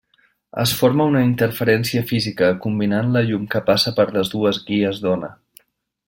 Es forma una interferència física combinant la llum que passa per les dues guies d’ona.